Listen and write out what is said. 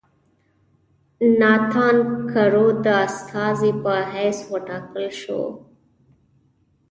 ناتان کرو د استازي په حیث وټاکل شو.